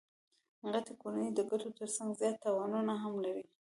غټي کورنۍ د ګټو ترڅنګ زیات تاوانونه هم لري.